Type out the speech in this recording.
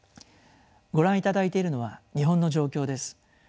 ご覧いただいているのは日本の状況です。